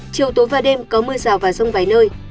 chiều tối và đêm có mưa rào và rông vài nơi